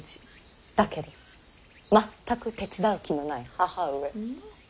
だけど全く手伝う気のない義母上。